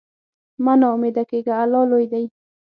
مه نا امیده کېږه، الله لوی دی.